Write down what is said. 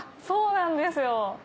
そうなんですよ。